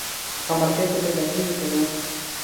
په مارکېټ کي پیدا کېږي که یه ؟